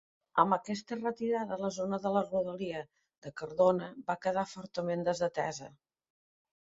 Amb aquesta retirada, la zona de la rodalia de Cardona va quedar fortament desatesa.